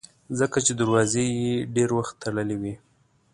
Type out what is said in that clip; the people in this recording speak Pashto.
ځکه چې دروازې یې ډېر وخت تړلې وي.